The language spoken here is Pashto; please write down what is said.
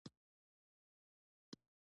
ارزشمنې سرمايې شتمنۍ شکل بللی شو.